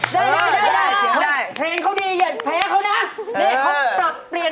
เห็น